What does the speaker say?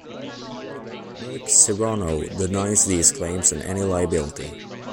Merck Serono denies these claims and any liability.